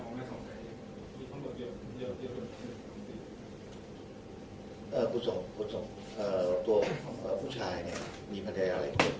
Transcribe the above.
คุณผู้ชมคุณผู้ชมตัวของผู้ชายเนี่ยมีภัณฑ์ใดอะไรขึ้น